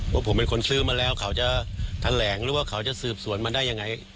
ว่าผมเป็นคนซื้อมาแล้วเขาจะแถลงหรือว่าเขาจะสืบสวนมาได้ยังไง